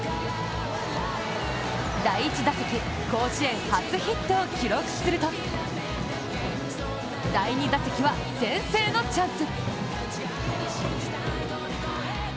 第１打席、甲子園初ヒットを記録すると第２打席は先制のチャンス。